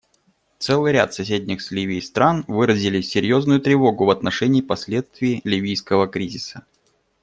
Целый ряд соседних с Ливией стран выразили серьезную тревогу в отношении последствий ливийского кризиса.